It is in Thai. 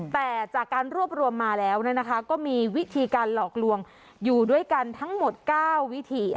แต่จากการรวบรวมมาแล้วก็มีวิธีการหลอกลวงอยู่ด้วยกันทั้งหมด๙วิธี